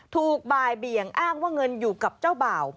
ถูกบ่ายเบี่ยงอ้างว่าเงินอยู่กับเจ้าบ่าว